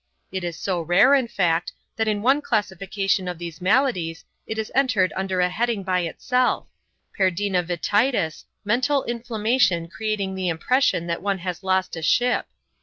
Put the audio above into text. It is so rare, in fact, that in one classification of these maladies it is entered under a heading by itself Perdinavititis, mental inflammation creating the impression that one has lost a ship.